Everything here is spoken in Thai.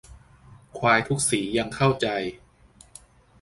ควายทุกสียังเข้าใจ